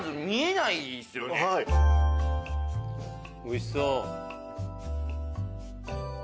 おいしそう！